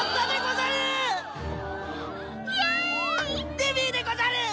デビーでござる！